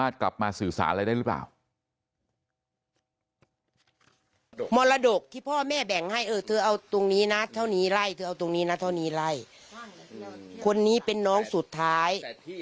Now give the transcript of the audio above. เธอก็ตรงนี้น่ะทนนีรัยคนนี้เป็นน้องสุดท้าย